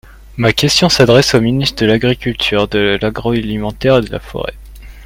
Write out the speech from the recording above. Ma question s’adresse au ministre de l’agriculture, de l’agroalimentaire et de la forêt.